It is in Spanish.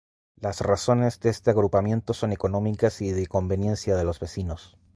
Las razones de este agrupamiento son económicas y de conveniencia de los vecinos.